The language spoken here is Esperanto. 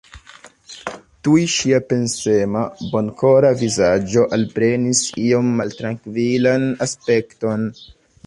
Tuj ŝia pensema, bonkora vizaĝo alprenis iom maltrankvilan aspekton.